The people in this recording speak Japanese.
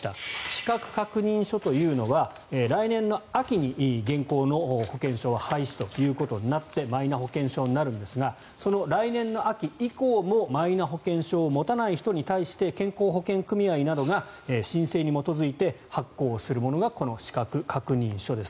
資格確認書というのは来年の秋に現行の保険証廃止となってマイナ保険証になるんですが来年の秋以降もマイナ保険証を持たない人に対して健康保険組合などが申請に基づいて発行するものが資格確認書です。